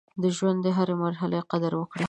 د ژوند د هرې مرحلې قدر وکړئ.